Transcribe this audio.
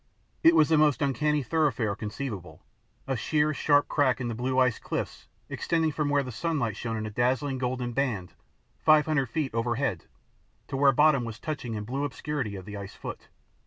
It was the most uncanny thoroughfare conceivable a sheer, sharp crack in the blue ice cliffs extending from where the sunlight shone in a dazzling golden band five hundred feet overhead to where bottom was touched in blue obscurity of the ice foot.